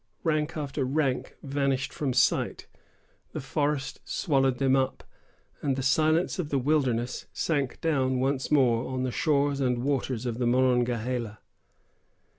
Rank after rank vanished from sight. The forest swallowed them up, and the silence of the wilderness sank down once more on the shores and waters of the Monongahela.